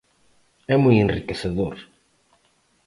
É moi enriquecedor.